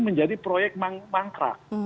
menjadi proyek mangkrak